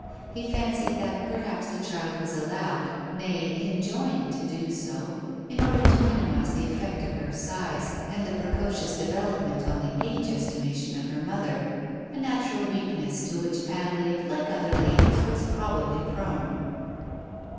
He fancied that perhaps the child was allowed, nay enjoined to do so, in order to minimize the effect of her size and the precocious develop ment on the age estimation of her mother, a natural weakness to which Adelaide, like other ladies, was prob ably prone.